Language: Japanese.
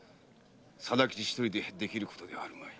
貞吉ひとりでできることではあるまい。